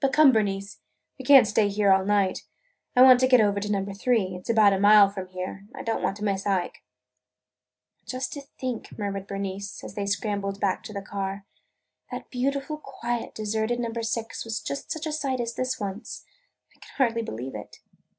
But come, Bernice, we can't stay here all night. I want to get over to Number Three. It 's about a mile from here. I don't want to miss Ike." "And just to think," murmured Bernice, as they scrambled back to the car, "that beautiful, quiet, deserted Number Six was just such a sight as this once! I can hardly believe it!"